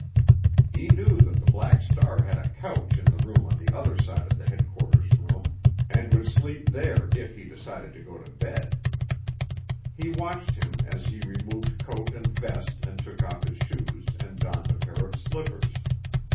He knew that the Black Star had a couch in the room on the other side of the headquarters room, and would sleep there if he decided to go to bed. He watched him as he removed coat and vest and took off his shoes and donned a pair of slippers.